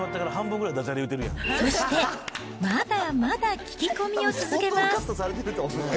そして、まだまだ聞き込みを続けます。